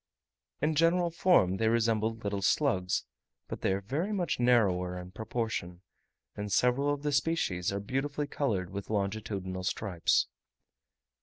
In general form they resemble little slugs, but are very much narrower in proportion, and several of the species are beautifully coloured with longitudinal stripes.